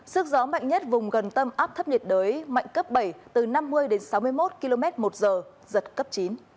sức gió mạnh nhất vùng gần tâm áp thấp nhiệt đới mạnh cấp bảy từ năm mươi đến sáu mươi một km một giờ giật cấp chín